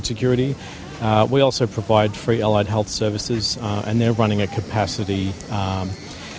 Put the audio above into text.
kami juga menyediakan perusahaan kesehatan yang bebas dan mereka menggunakan kapasitas